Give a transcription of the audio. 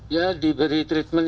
tapi kita harus tarik memori